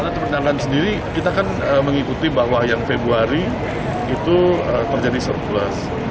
untuk perdagangan sendiri kita kan mengikuti bahwa yang februari itu terjadi surplus